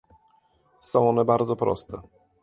Są one bardzo proste